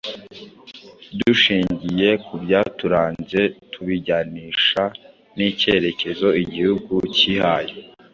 Dushingire ku byaturanze tubijyanisha n’ikerekezo Igihugu kihaye